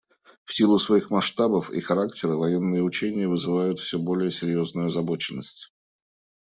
В силу своих масштабов и характера военные учения вызывают все более серьезную озабоченность.